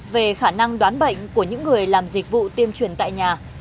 về khả năng đoán bệnh của những người làm dịch vụ tiêm truyền tại nhà